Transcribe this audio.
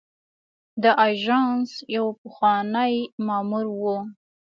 د آژانس یو پخوانی مامور و.